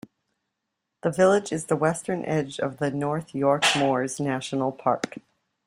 The village is the western edge of the North York Moors National Park.